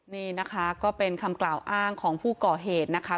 นี่นะคะก็เป็นคำกล่าวอ้างของผู้ก่อเหตุนะคะ